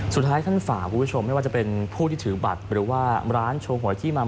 สุดท้ายท่านฝากคุณผู้ชมไม่ว่าจะเป็นผู้ที่ถือบัตรหรือว่าร้านโชว์หวยที่มา